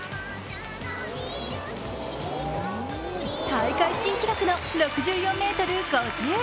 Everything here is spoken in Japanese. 大会新記録の６４ｍ５０。